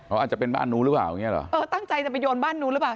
เขาอาจจะเป็นบ้านนู้นหรือเปล่าอย่างเงี้เหรอเออตั้งใจจะไปโยนบ้านนู้นหรือเปล่า